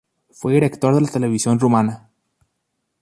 Fue director de la Televisión Rumana.